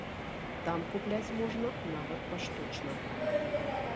Там купляць можна нават паштучна.